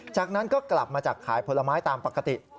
จากนั้นก็กลับมาจากขายผลไม้ตามปกติ